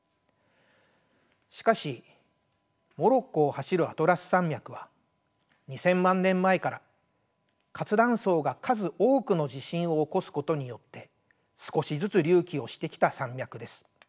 しかしモロッコを走るアトラス山脈は２，０００万年前から活断層が数多くの地震を起こすことによって少しずつ隆起をしてきた山脈です。